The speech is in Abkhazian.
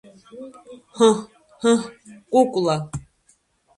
Ҳы, ҳы, Кәыкәла!